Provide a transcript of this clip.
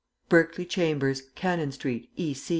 "BERKELEY CHAMBERS, CANNON STREET, E.